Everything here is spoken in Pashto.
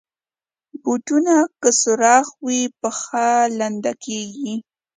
بوټونه که سوراخ وي، پښه لنده کېږي.